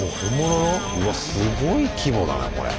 うわっすごい規模だねこれ。